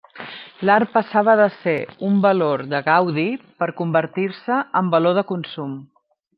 L'art passava de ser un valor de gaudi per convertir-se en valor de consum.